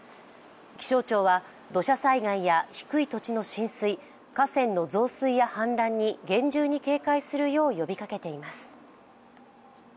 気象庁は、土砂災害や低い土地の浸水河川の増水や氾濫に厳重に警戒するよう呼びかけています。